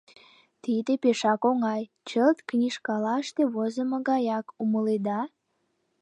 Тиде пешак оҥай, чылт книжкалаште возымо гаяк, умыледа?